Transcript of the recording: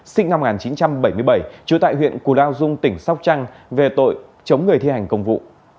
sinh năm một nghìn chín trăm bảy mươi bảy trú tại huyện cù lao dung tỉnh sóc trăng về tội chống người thi hành công vụ